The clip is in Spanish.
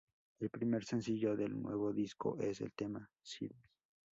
El primer sencillo del nuevo disco es el tema ""Sides".